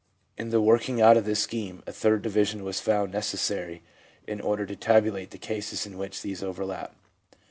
In the working out of this scheme, a third division was found necessary in order to tabulate the cases in which these overlap.